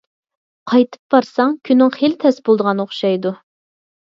قايتىپ بارساڭ، كۈنۈڭ خېلى تەس بولىدىغان ئوخشايدۇ.